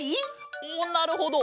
おっなるほど。